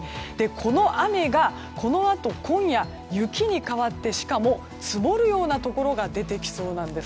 この雨が、このあと今夜、雪に変わってしかも積もるようなところが出てきそうなんです。